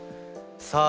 さあ